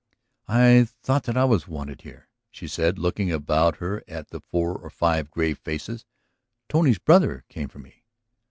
"I thought that I was wanted here," she said, looking about her at the four or five grave faces. "Tony's brother came for me."